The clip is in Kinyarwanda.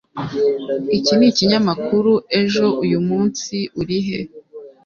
iki nikinyamakuru ejo. uyu munsi urihe